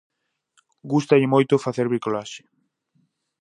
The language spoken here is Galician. Gústalle moito facer bricolaxe.